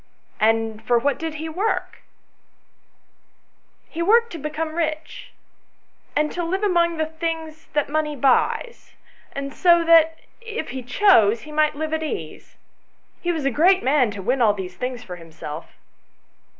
"And for what did he work ?"" He worked to become rich, and to live among the things that money buys, and so that, if he chose, he might live at ease. He was a great man to win all these things for himself."